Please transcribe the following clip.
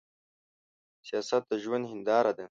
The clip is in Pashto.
سياست د ژوند هينداره ده.